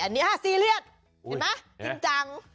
อันนี้ซีเรียสเห็นไหมจริงจัง